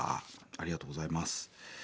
ありがとうございます。